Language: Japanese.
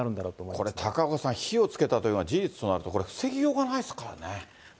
これ高岡さん、火をつけたというのが事実となると、これ、防ぎようがないですからね。